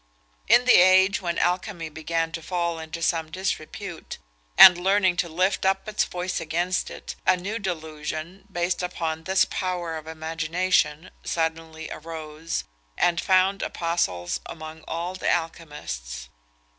In the age when alchymy began to fall into some disrepute, and learning to lift up its voice against it, a new delusion, based upon this power of imagination, suddenly arose, and found apostles among all the alchymists.